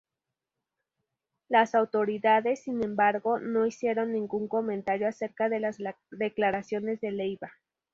Las autoridades, sin embargo, no hicieron ningún comentario acerca de las declaraciones de Leyva.